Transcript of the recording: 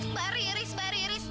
mbak riris mbak riris